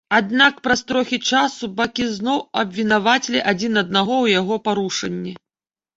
Аднак, праз трохі часу бакі зноў абвінавацілі адзін аднаго ў яго парушэнні.